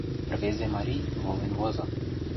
Рвезе марий волен возо.